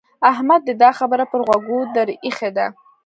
احمد دې دا خبره پر غوږو در اېښې ده.